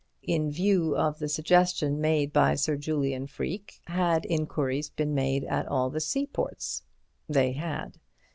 In view of the suggestion made by Sir Julian Freke, had inquiries been made at all the seaports? They had.